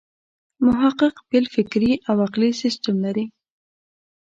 محقق بېل فکري او عقلي سیسټم لري.